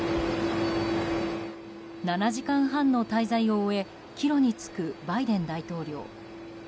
７時間半の滞在を終え帰路に就くバイデン大統領。